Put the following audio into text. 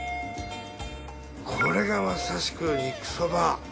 これがまさしく肉そば